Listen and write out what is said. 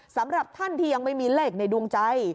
สำหรับท่านที่ยังไม่มีเลขในดวงใจ